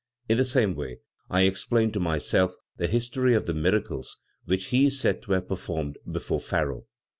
In the same way I explain to myself the history of the miracles which he is said to have performed before Pharaoh.